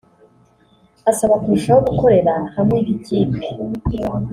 asaba kurushaho gukorera hamwe nk’ikipe